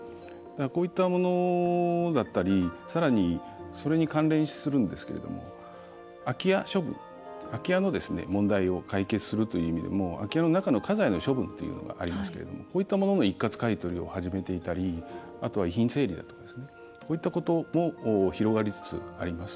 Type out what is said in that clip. こういったものだったりさらに、それに関連するんですけど空き家処分、空き家の問題を解決するという意味でも空き家の中の家財の処分というのがありますけどもこういったものの一括買い取りを始めていたりあとは遺品整理ということも広がりつつあります。